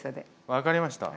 分かりました！